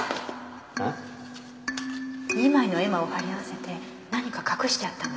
２枚の絵馬を貼り合わせて何か隠してあったんだわ。